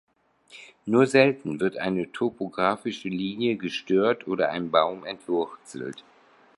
Nur selten wird eine topografische Linie gestört oder ein Baum entwurzelt.